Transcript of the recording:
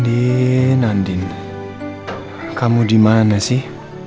andin andin kamu dimana sih